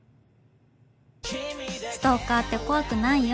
ストーカーって怖くないよ。